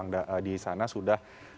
jadi empat orang di sana sudah